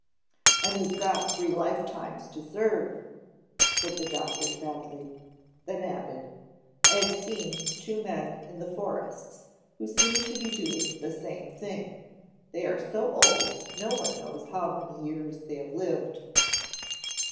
"And he's got three life times to serve," said the doctor sadly, then added, "I have seen two men in the forests who seemed to be doing the same thing they are so old no one knows how many years they have lived."